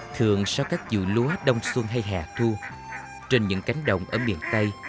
thường sau các vụ lúa đông xuân hay hẻ thu trên những cánh đồng ở miền tây